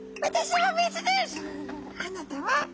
あなたは？